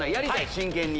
真剣に。